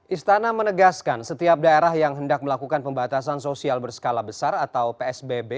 istana menegaskan setiap daerah yang hendak melakukan pembatasan sosial berskala besar atau psbb